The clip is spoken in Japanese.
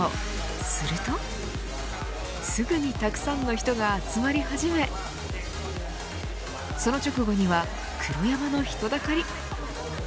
するとすぐにたくさんの人が集まり始めその直後には黒山の人だかり。